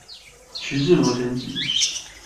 徐志摩全集